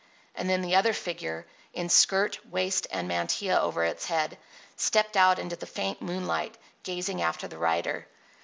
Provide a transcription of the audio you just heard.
And then the other figure, in skirt, waist, and mantilla over its head, stepped out into the faint moonlight, gazing after the rider.